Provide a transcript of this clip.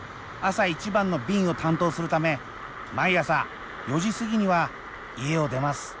朝一番の便を担当するため毎朝４時過ぎには家を出ます。